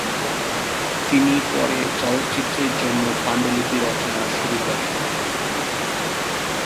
তিনি পরে চলচ্চিত্রের জন্য পাণ্ডুলিপি রচনা শুরু করেন।